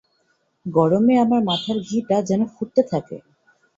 গরমে আমার মাথার ঘিটা যেন ফুটতে থাকে।